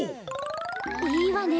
いいわね